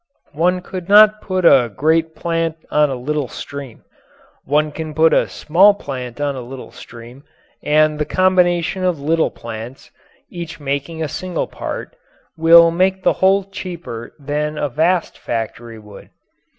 One could not put a great plant on a little stream. One can put a small plant on a little stream, and the combination of little plants, each making a single part, will make the whole cheaper than a vast factory would.